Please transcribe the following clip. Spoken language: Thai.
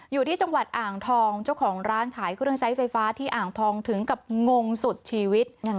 อยู่ที่จังหวัดอ่างทองเจ้าของร้านขายเครื่องใช้ไฟฟ้าที่อ่างทองถึงกับงงสุดชีวิต